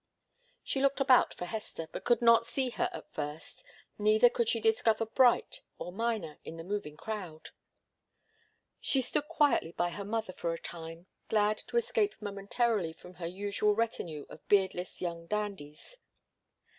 She looked about for Hester, but could not see her at first, neither could she discover Bright or Miner in the moving crowd. She stood quietly by her mother for a time, glad to escape momentarily from her usual retinue of beardless young dandies.